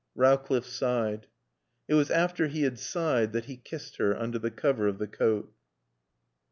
Rowcliffe sighed. It was after he had sighed that he kissed her under the cover of the coat.